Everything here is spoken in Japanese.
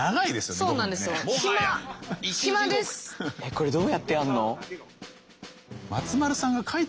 これどうやってやるの？